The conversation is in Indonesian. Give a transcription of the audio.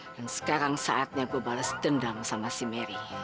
dan sekarang saatnya gue bales dendam sama si mary